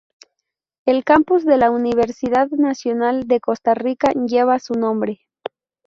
El campus de la Universidad Nacional de Costa Rica lleva su nombre.